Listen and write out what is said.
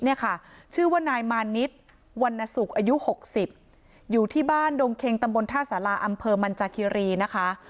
เนี่ยค่ะชื่อว่านายมานิดวรรณสุขอายุ๖๐อยู่ที่บ้านดงเค็งตำบลท่าสาราอำเภอมันจากคิรีนะคะ